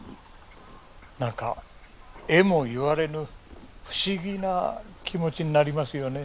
何かえも言われぬ不思議な気持ちになりますよね。